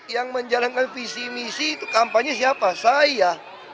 yang menjalankan visi misi itu kampanye siapa saya